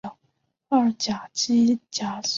二甲基甲醯胺是利用甲酸和二甲基胺制造的。